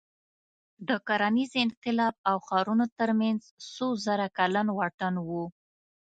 د کرنیز انقلاب او ښارونو تر منځ څو زره کلن واټن و.